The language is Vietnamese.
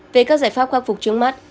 về các giải pháp khắc phục trước mắt